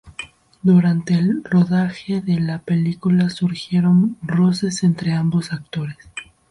Durante el rodaje de la película surgieron roces entre ambos actores.